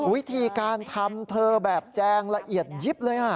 วิธีการทำเธอแบบแจงละเอียดยิบเลย